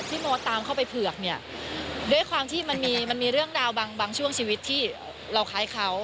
โมตามเข้าไปเผือกเนี่ยด้วยความที่มันมีมันมีเรื่องราวบางช่วงชีวิตที่เราคล้ายเขา